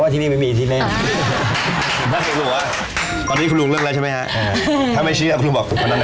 ตอนนี้คุณลุงเริ่มแล้ว